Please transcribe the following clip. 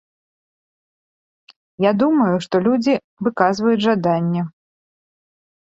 Я думаю, што людзі выказваюць жаданне.